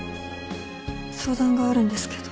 相談があるんですけど